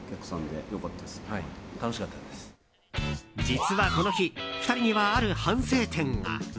実はこの日２人にはある反省点が。